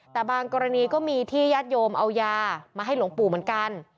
แต่บางกรณีก็มีที่ญาติโยมเอายามาให้หลวงปู่เหมือนกัน